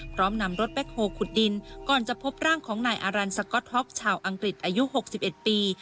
พร้อมนำรถแบ็คโฮลขุดดินก่อนจะพบร่างของนายอารันสก๊อตฮ็อกชาวอังกฤษอายุ๖๑ปี